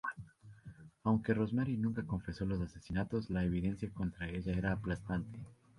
Aunque Rosemary nunca confesó los asesinatos, la evidencia contra ella era aplastante.